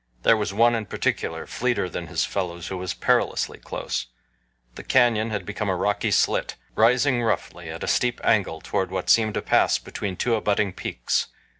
There was one in particular, fleeter than his fellows, who was perilously close. The canyon had become a rocky slit, rising roughly at a steep angle toward what seemed a pass between two abutting peaks.